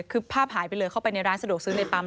คือภาพหายไปเลยเข้าไปในร้านสะดวกซื้อในปั๊ม